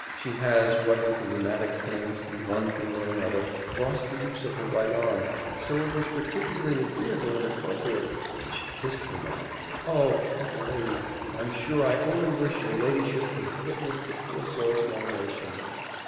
she has, what with the rheumatic pains, and one thing or another, lost the use of her right arm, so it was particularly agreeable and appropriate and she kissed the muff oh! my lady, I'm sure I only wish your ladyship could have witnessed the poor soul's veneration."